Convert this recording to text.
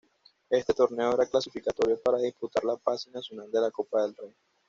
Este torneo era clasificatorio para disputar la fase nacional de la Copa del Rey.